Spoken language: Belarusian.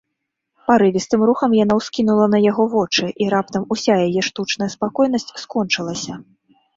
Парывістым рухам яна ўскінула на яго вочы, і раптам уся яе штучная спакойнасць скончылася.